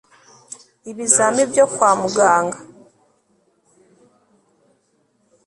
IBIZAMI BYO KWA MUGANGA